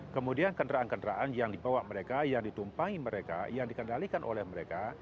kemudian kendaraan kendaraan yang dibawa mereka yang ditumpangi mereka yang dikendalikan oleh mereka